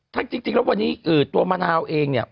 จริงแล้ววันนี้ตัวมะนาวเองเนี่ย